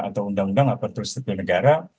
atau undang undang aparatur sipil negara